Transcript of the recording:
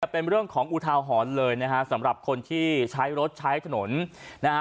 เป็นเรื่องของอุทาหรณ์เลยนะฮะสำหรับคนที่ใช้รถใช้ถนนนะฮะ